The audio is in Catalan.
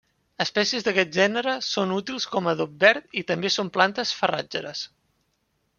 Espècies d'aquest gènere són útils com adob verd i també són plantes farratgeres.